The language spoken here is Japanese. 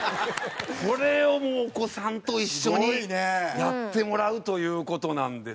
これをお子さんと一緒にやってもらうという事なんです。